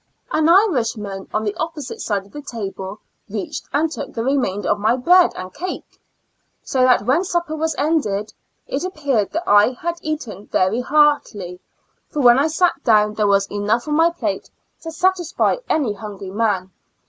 An Irishman on the opposite side of the table reached and took the remainder of my bread and cake, so that when supper was ended, it appeared that I had eaten very heartily, for when I sat down there was enough on my plate to satisfy any hungry man.